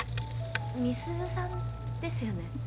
美鈴さんですよね？